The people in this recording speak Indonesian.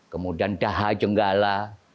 kemudian daha jenggala